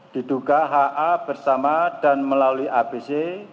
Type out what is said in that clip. diduga ha bersama dan melalui abc